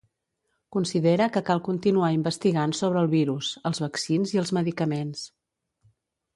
Considera que cal continuar investigant sobre el virus, els vaccins i els medicaments.